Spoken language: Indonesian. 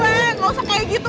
gak usah kayak gitu